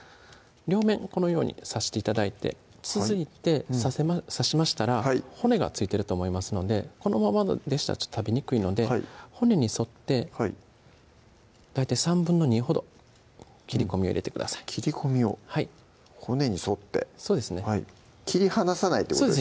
両面このように刺して頂いて続いて刺しましたら骨が付いてると思いますのでこのままでしたらちょっと食べにくいので骨に沿って大体２／３ほど切り込みを入れてください切り込みを骨に沿ってそうですね切り離さないってことですね？